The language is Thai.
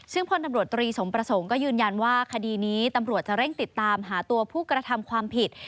ซึ่งพลตำรวจตรีสมประสงค์ก็ยืนยันว่าคดีนี้ตำรวจจะเร่งติดตามหาตัวผู้กระทำความผิด